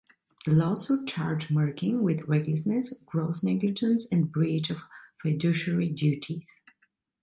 The lawsuit charged Merkin with recklessness, gross negligence and breach of fiduciary duties.